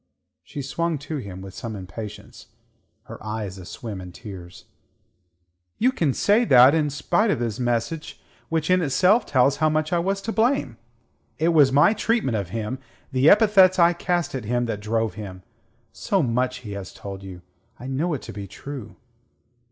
She swung to him with some impatience, her eyes aswim in tears. "You can say that, and in spite of his message, which in itself tells how much I was to blame! It was my treatment of him, the epithets I cast at him that drove him. So much he has told you. I know it to be true."